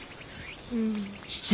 うん。